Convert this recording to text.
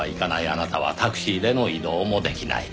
あなたはタクシーでの移動もできない。